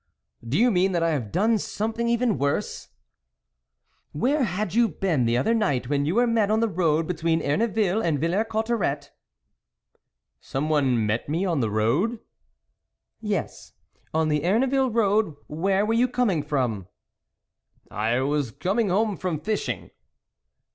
" Do you mean that I have done some thing even worse ?"" Where had you been the other night, when you were met on the road between Erneville and Villers Cotterets ?"" Someone met me on the road ?" "Yes, on the Erneville Road; where were you coming from ?"" I was coming home from fishing."